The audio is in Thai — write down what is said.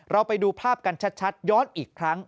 ไปดูภาพกันชัดย้อนอีกครั้ง